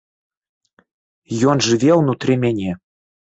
Ён жыве ўнутры мяне.